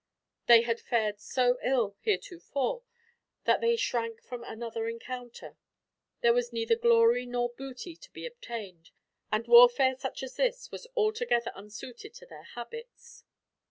They had fared so ill, heretofore, that they shrank from another encounter. There was neither glory nor booty to be obtained, and warfare such as this was altogether unsuited to their habits.